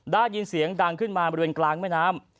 ได้ยินเสียงดังขึ้นมาบริเวณกลางแม่น้ำ